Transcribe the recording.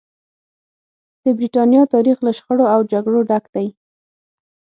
د برېټانیا تاریخ له شخړو او جګړو ډک دی.